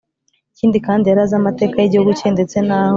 ikindi kandi yari aziamateka y’igihugu cye, ndetse naho